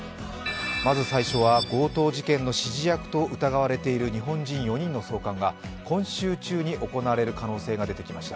まず最初は、強盗事件の指示役と疑われている日本人４人の送還が今週中に行われる可能性が出てきました。